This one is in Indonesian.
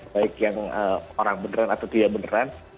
baik yang orang beneran atau tidak beneran